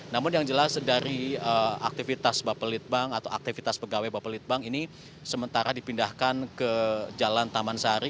namun yang jelas dari aktivitas bapelitbang atau aktivitas pegawai bapelitbang ini sementara dipindahkan ke jalan taman sari